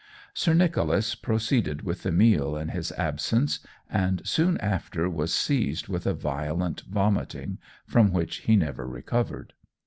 Sir Nicholas proceeded with the meal in his absence, and soon after was seized with a violent vomiting, from which he never recovered.